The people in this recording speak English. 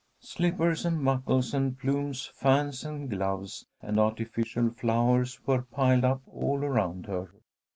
Slippers and buckles and plumes, fans and gloves and artificial flowers, were piled up all around her.